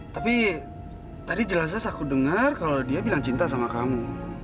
tapi tadi jelas jelas aku dengar kalau dia bilang cinta sama kamu